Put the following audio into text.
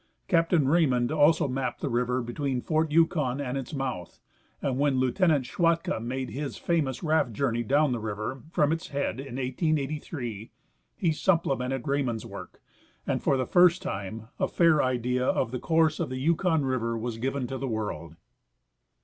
Captain Raymond also mapped the river between fort Yukon and its mouth, and when Lieutenant Schwatka made his famous raft journey down the river (from its head) in 1883 he supplemented Raymond's work, and for the first time a fair idea of the course of Yukon river was given to the world.